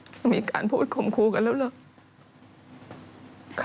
ก็มีการพูดข่มครูกันแล้วเหรอ